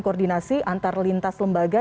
koordinasi antar lintas lembaga